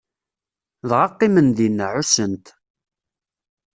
Dɣa qqimen dinna, ɛussen-t.